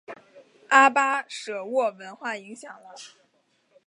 阿巴舍沃文化影响了。